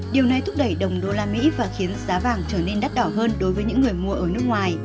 điều này thúc đẩy đồng usd và khiến giá vàng trở nên đắt đỏ hơn đối với những người mua ở nước ngoài